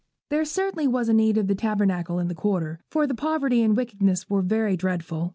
There certainly was need of a Tabernacle in that quarter, for the poverty and wickedness were very dreadful.